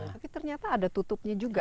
tapi ternyata ada tutupnya juga